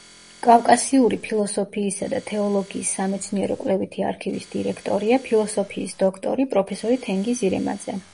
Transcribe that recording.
კავკასიური ფილოსოფიისა და თეოლოგიის სამეცნიერო-კვლევითი არქივის დირექტორია ფილოსოფიის დოქტორი, პროფესორი თენგიზ ირემაძე.